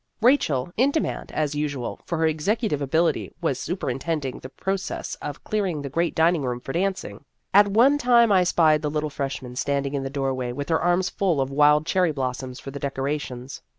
Rachel, in demand, as usual, for her executive ability, was super intending the process of clearing the great dining room for dancing. At one time I spied the little freshman standing in the doorway with her arms full of wild cherry blossoms for the decorations.